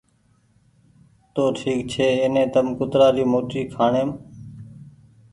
تو ٺيڪ ڇي ايني تم ڪترآ ري موٽي کآڻي